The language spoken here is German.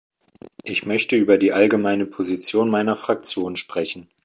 Ich möchte über die allgemeine Position meiner Fraktion sprechen.